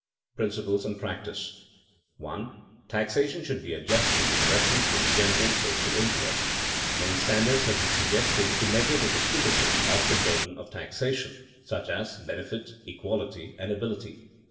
PRINCIPLES AND PRACTICE [Sidenote: Various standards of justice suggested] 1. Taxation should be adjusted with reference to the general social interest. Many standards have been suggested to measure the distribution of the burden of taxation, such as benefit, equality, and ability.